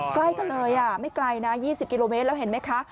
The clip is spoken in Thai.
ใกล้กันเลยไม่ไกลนะ๒๐กิโลเมตรแล้วเห็นไหมคะ